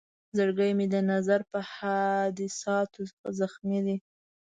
زړګی مې د نظر په حادثاتو زخمي دی.